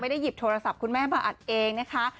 ได้หยิบโทรศัพท์คุณแม่มาอัดเองนะคะ